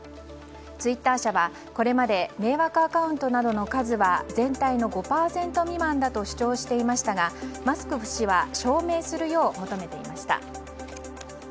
ツイッター社はこれまで迷惑アカウントなどの数は全体の５％未満だと主張していましたがマスク氏は証明するよう求めていました。